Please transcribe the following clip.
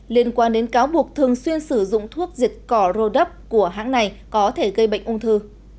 liên quan đến cáo buộc thường xuyên sử dụng thuốc diệt cỏ rodup của hãng này có thể gây bệnh ung thư